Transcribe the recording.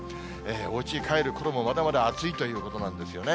おうちに帰るころも、まだまだ暑いということなんですよね。